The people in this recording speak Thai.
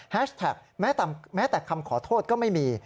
แท็กแม้แต่คำขอโทษก็ไม่มี